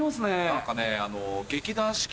何かね。